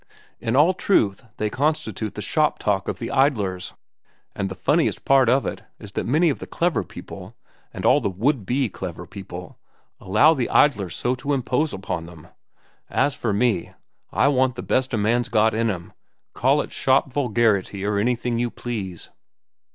In all truth, they constitute the shop talk of the idlers. And the funniest part of it is that many of the clever people, and all the would be clever people, allow the idlers so to impose upon them. As for me, I want the best a man's got in him, call it shop vulgarity or anything you please."